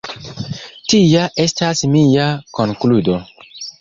Tia estas mia konkludo.